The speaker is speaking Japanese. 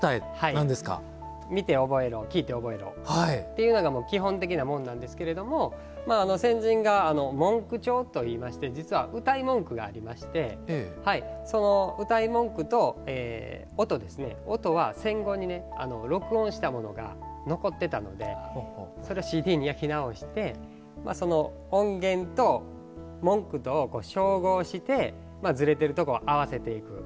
見て覚えろ聞いて覚えろというのが基本的なものなんですけども先人が文句帳といいまして実はうたい文句がありましてその、うたい文句と音ですね音は戦後に録音したものが残ってたのでそれをＣＤに焼き直して音源と文句とを照合して、ずれてるところを合わせていく。